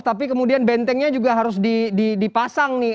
tapi kemudian bentengnya juga harus dipasang nih